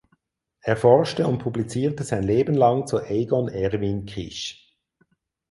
Er forschte und publizierte sein Leben lang zu Egon Erwin Kisch.